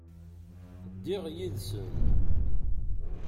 Ddiɣ yid-sen.